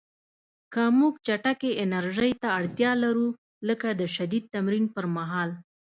که موږ چټکې انرژۍ ته اړتیا لرو، لکه د شدید تمرین پر مهال